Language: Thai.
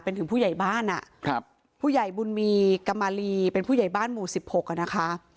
เป็นถึงผู้ใหญ่บ้านอ่ะครับผู้ใหญ่บุญมีกรรมลีเป็นผู้ใหญ่บ้านหมู่สิบหกอ่ะนะคะ